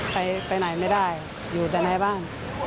ไปไหนไม่ได้อยู่แต่ในบ้าน